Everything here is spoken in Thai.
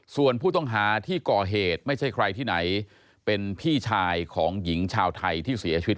ส่วนผู้ต้องหาที่ก่อเหตุไม่ใช่ใครที่ไหนเป็นพี่ชายของหญิงชาวไทยที่เสียชีวิต